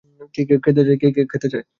কে cake খেতে চায়?